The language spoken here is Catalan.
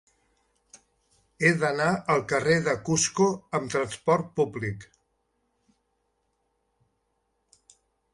He d'anar al carrer de Cusco amb trasport públic.